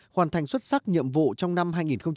hoàn thành xuất sắc nhiệm vụ trong năm hai nghìn một mươi bảy